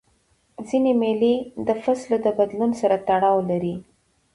ځیني مېلې د فصلو د بدلون سره تړاو لري.